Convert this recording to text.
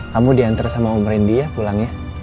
kamu diantar sama om randy ya pulang ya